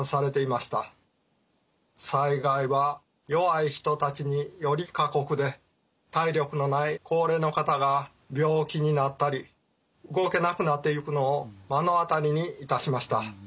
災害は弱い人たちにより過酷で体力のない高齢の方が病気になったり動けなくなっていくのを目の当たりにいたしました。